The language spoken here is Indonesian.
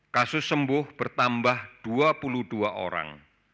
kasus sembuh bertambah dua puluh dua orang